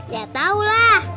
ya tau lah